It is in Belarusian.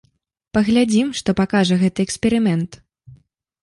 Паглядзім, што пакажа гэты эксперымент.